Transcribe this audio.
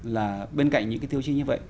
là bên cạnh những cái tiêu chí như vậy